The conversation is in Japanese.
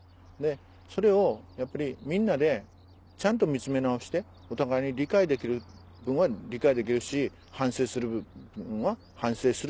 それをみんなでちゃんと見つめ直してお互いに理解できる部分は理解できるし反省する部分は反省する。